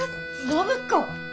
暢子！